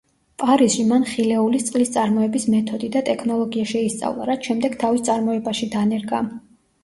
პარიზში მან ხილეულის წყლის წარმოების მეთოდი და ტექნოლოგია შეისწავლა, რაც შემდეგ თავის წარმოებაში დანერგა.